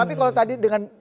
tapi kalau tadi dengan